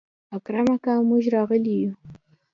اکرم اکا موږ راغلي يو.